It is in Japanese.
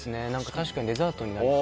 確かにデザートになりそう。